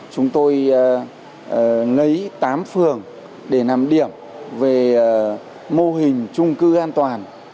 chúng tôi lấy tám phường để làm điểm về mô hình trung cư an toàn